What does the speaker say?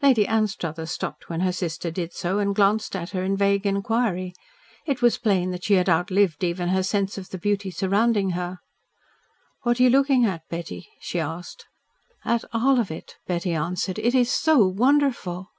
Lady Anstruthers stopped when her sister did so, and glanced at her in vague inquiry. It was plain that she had outlived even her sense of the beauty surrounding her. "What are you looking at, Betty?" she asked. "At all of it," Betty answered. "It is so wonderful."